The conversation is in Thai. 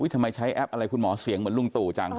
ใช้แอปอะไรคุณหมอเสียงเหมือนลุงตู่จัง